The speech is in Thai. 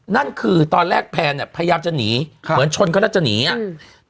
นั่นคือตอนแรกแพนเนี้ยพยายามจะหนีค่ะเหมือนชนเขาแล้วจะหนีอ่ะอืม